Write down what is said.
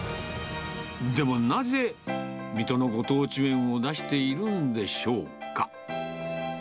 でも、なぜ水戸のご当地麺を出しているんでしょうか。